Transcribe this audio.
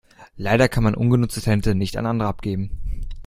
Leider kann man ungenutzte Talente nicht an andere abgeben.